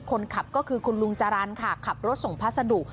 คนขับก็คือคุณลุงจรรย์ค่ะขับรถส่งพัสดุ